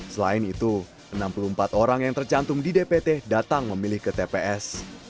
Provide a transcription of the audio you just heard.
selain itu enam puluh empat orang yang tercantum di dpt datang memilih ke tps